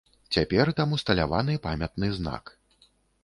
Цяпер там усталяваны памятны знак.